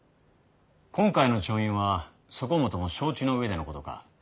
今回の調印はそこもとも承知の上でのことか。